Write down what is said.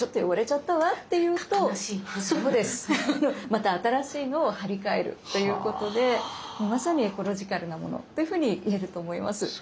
また新しいのを貼り替えるということでまさにエコロジカルなものというふうに言えると思います。